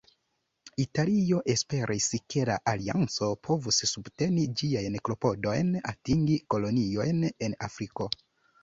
Italio esperis, ke la alianco povus subteni ĝiajn klopodojn atingi koloniojn en Afriko.